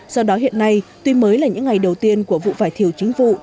do đó hiện nay tuy mới là những ngày đầu tiên của vụ vải thiều chính vụ